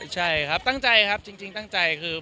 ใช่ครับตั้งใจครับจริงตั้งใจคือ